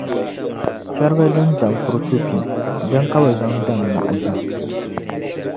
Chɛriga din dam kurchu bim dini ka bɛ zaŋ dam naɣ’ bim.